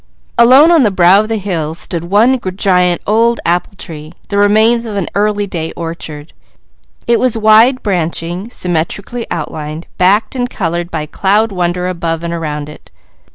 Alone, on the brow of the hill, stood one giant old apple tree, the remains of an early day orchard. It was widely branching, symmetrically outlined, backed and coloured by cloud wonder, above and around it.